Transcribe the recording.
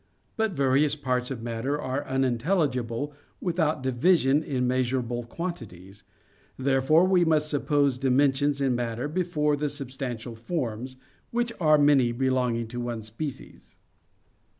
But various parts of matter are unintelligible without division in measurable quantities. Therefore we must suppose dimensions in matter before the substantial forms, which are many belonging to one species.